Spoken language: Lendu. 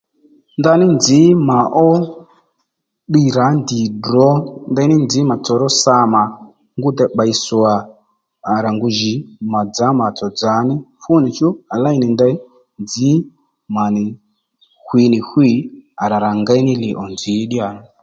Ndaní nzǐ mà ó ddiy rǎ ndì drǒ ndení nzǐ mà tsòró sa mà ngú déy pběy swà à rà ngu jì mà dzǎ mà-tsò dzà ní fúnìchú à léy nì ndey nzǐ mà nì hwǐ nì hwî à rà rà ngéy ní li ò nzǐ ddíyà